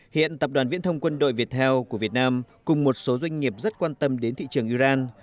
hiện tập đoàn viễn thông quân đội viettel của việt nam cùng một số doanh nghiệp rất quan tâm đến thị trường iran